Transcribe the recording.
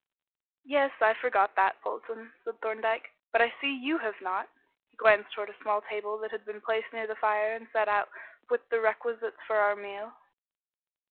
"Yes, I forgot that, Polton," said Thorndyke, "but I see you have not." He glanced towards a small table that had been placed near the fire and set out with the requisites for our meal.